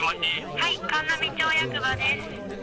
はい、函南町役場です。